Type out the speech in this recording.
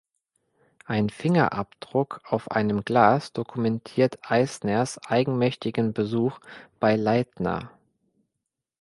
Ein Fingerabdruck auf einem Glas dokumentiert Eisners eigenmächtigen Besuch bei Leytner.